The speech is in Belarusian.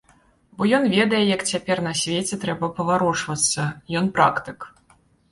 Бо ён ведае, як цяпер на свеце трэба паварочвацца, ён практык.